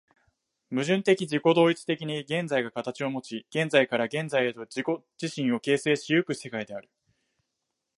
矛盾的自己同一的に現在が形をもち、現在から現在へと自己自身を形成し行く世界である。